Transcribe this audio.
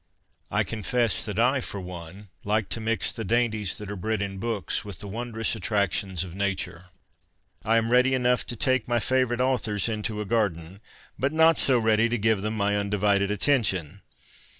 I confess that I, for one, like to mix ' the dainties that are bred in books ' with the wondrous attractions of Nature. I am ready enough to take my favourite authors into a garden, but not so ready to give them my undivided attention.